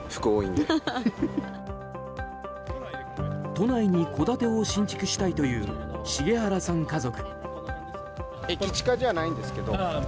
都内に戸建てを新築したいという茂原さん家族。